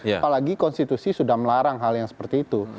apalagi konstitusi sudah melarang hal yang seperti itu